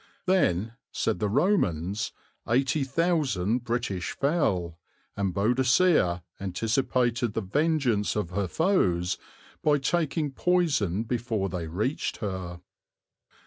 Then, said the Romans, eighty thousand British fell, and Boadicea anticipated the vengeance of her foes by taking poison before they reached her.